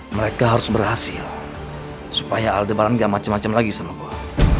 mereka harus berhasil supaya aldebaran gak macem macem lagi sama gua